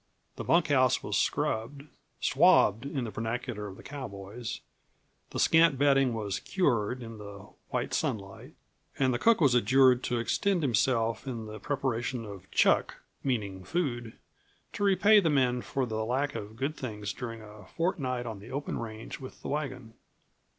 The bunkhouse was scrubbed; "swabbed" in the vernacular of the cowboys; the scant bedding was "cured" in the white sunlight; and the cook was adjured to extend himself in the preparation of "chuck" (meaning food) to repay the men for the lack of good things during a fortnight on the open range with the wagon.